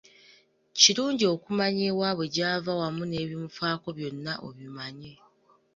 Kirungi okumanya ewabwe gyava wamu n’ebimufaako byonna obimanye.